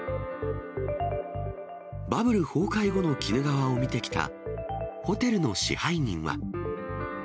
バブル崩壊後の鬼怒川を見てきたホテルの支配人は。